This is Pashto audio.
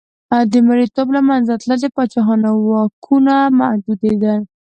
د مریتوب له منځه تلل د پاچاهانو واکونو محدودېدل.